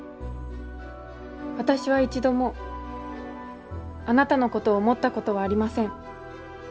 わたしは一度も貴君のことを思ったことはありません。